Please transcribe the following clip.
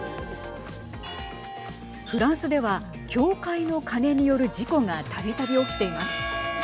フランスでは教会の鐘による事故がたびたび起きています。